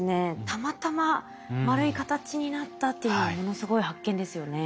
たまたま丸い形になったっていうのはものすごい発見ですよね。